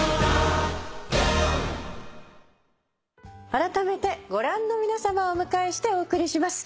あらためてご覧の皆さまをお迎えしてお送りします。